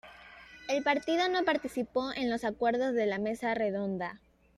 El partido no participó en los Acuerdos de la Mesa Redonda.